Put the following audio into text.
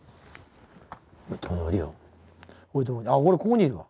あっ俺ここにいるわ。